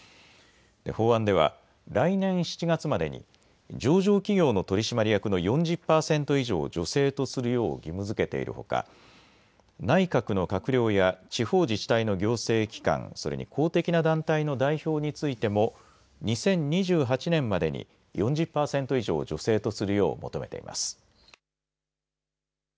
法案では来年７月までに上場企業の取締役の４０％以上を女性とするよう義務づけているほか、内閣の閣僚や地方自治体の行政機関、それに公的な団体の代表についても２０２８年までに４０％以上を女性とするよう求めています。